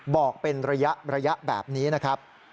บอกเป็นระยะแบบนี้นะครับ